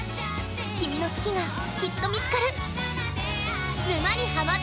君の好きがきっと見つかる！